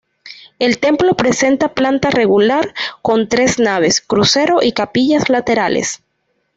El templo presenta planta rectangular con tres naves, crucero y capillas laterales.